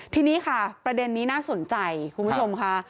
ทีนี้ค่ะประเด็นนี้น่าสนใจคุณผู้ชมค่ะ